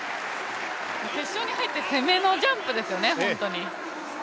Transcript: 決勝に入って攻めのジャンプですよね、本当に。